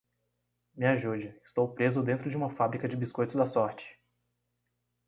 Me ajude, estou preso dentro de uma fábrica de biscoitos da sorte!